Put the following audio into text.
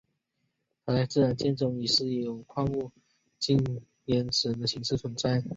它在自然界中以稀有矿物羟铟石的形式存在。